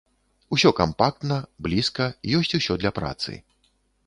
Усё кампактна, блізка, ёсць усё для працы.